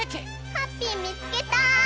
ハッピーみつけた！